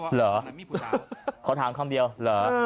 เหรอขอถามคำเดียวเหรอ